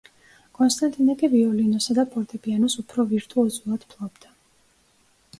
კონსტანტინე კი ვიოლინოსა და ფორტეპიანოს უფრო ვირტუოზულად ფლობდა.